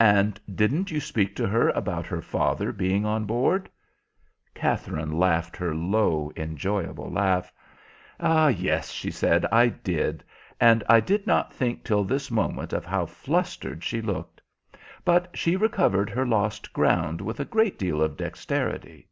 "And didn't you speak to her about her father being on board?" Katherine laughed her low, enjoyable laugh. "Yes," she said, "I did, and I did not think till this moment of how flustered she looked. But she recovered her lost ground with a great deal of dexterity."